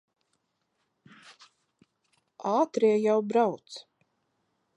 Ātrie jau brauc.